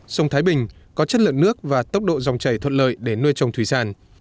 sông thái bình có chất lượng nước và tốc độ dòng chảy thuận lợi để nuôi trồng thủy sản